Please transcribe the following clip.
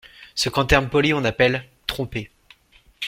Ce qu’en termes polis on appelle… trompé !